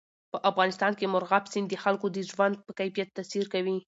په افغانستان کې مورغاب سیند د خلکو د ژوند په کیفیت تاثیر کوي.